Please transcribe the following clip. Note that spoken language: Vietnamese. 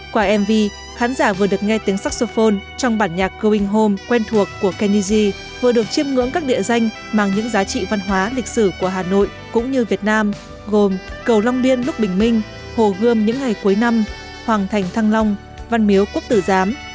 qua mv khán giả vừa được nghe tiếng saxophone trong bản nhạc going home quen thuộc của kennedy vừa được chiêm ngưỡng các địa danh mang những giá trị văn hóa lịch sử của hà nội cũng như việt nam gồm cầu long biên lúc bình minh hồ gươm những ngày cuối năm hoàng thành thăng long văn miếu quốc tử giám